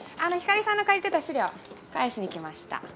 ひかりさんの借りてた資料返しに来ました。